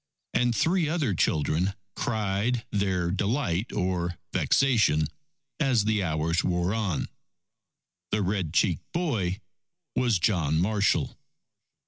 And three other children cried their delight or vexation as the hours wore on. The red cheeked boy was John Marshall.